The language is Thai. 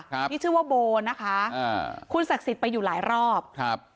ครับที่ชื่อว่าโบนะคะอ่าคุณศักดิ์สิทธิ์ไปอยู่หลายรอบครับ